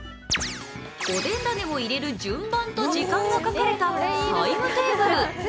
おでん種を入れる順番と時間が書かれたタイムテーブル。